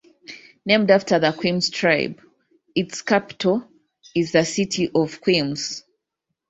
Named after the Quilmes Tribe, its capital is the city of Quilmes.